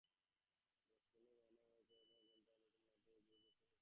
বষ্টনে রওনা হবার আগে কয়েক ঘণ্টার জন্য অন্তত মণ্টক্লেয়ারে ঘুরে যেতে হবে।